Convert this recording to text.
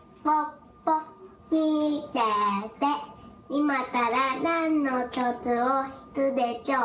いまからなんのきょくをひくでしょう。